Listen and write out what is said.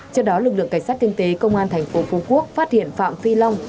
trước đó lực lượng cảnh sát kinh tế công an thành phố phú quốc phát hiện phạm phi long